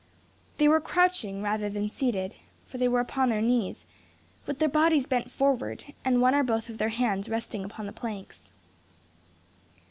They were crouching rather than seated; for they were upon their knees, with their bodies bent forward, and one or both of their hands resting upon the planks.